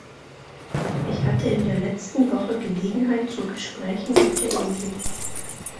Ich hatte in der letzten Woche Gelegenheit zu Gesprächen auf der Insel.